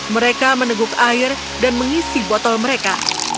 mereka meneguk air dan mengisi botol mereka